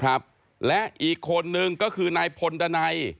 ครับและอีกคนนึงก็คือนายพลดันัย